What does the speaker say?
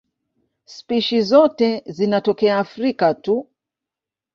Spishi zote zinatokea Afrika tu.